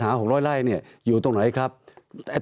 ตั้งแต่เริ่มมีเรื่องแล้ว